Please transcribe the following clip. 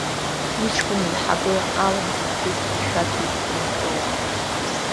Иҷкәын еиҳабы, Алым захьӡыз, ишәақь иқәкны дтәоуп.